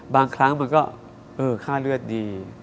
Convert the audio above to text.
บางครั้งมันก็เออค่าเลือดดี